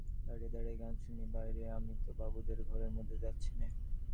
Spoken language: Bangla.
দাঁড়িয়ে দাঁড়িয়ে গান শুনি বাইরে, আমি তো বাবুদের ঘরের মধ্যে যাচ্ছি নে?